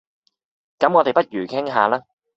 咁我哋不如傾吓啦